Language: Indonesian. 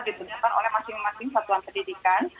dibentukkan oleh masing masing satuan pendidikan